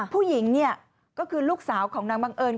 ผู้หญิงเนี่ยก็คือลูกสาวของนางบังเอิญ